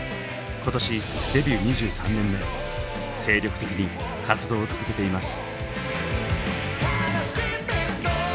今年デビュー２３年目精力的に活動を続けています。